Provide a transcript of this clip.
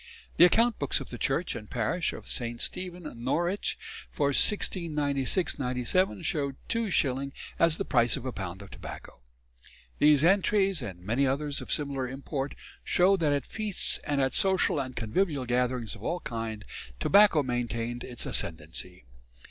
The account books of the church and parish of St. Stephen, Norwich, for 1696 97 show 2s. as the price of a pound of tobacco. These entries, and many others of similar import, show that at feasts and at social and convivial gatherings of all kinds, tobacco maintained its ascendancy.